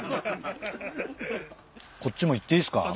こっちもいっていいっすか？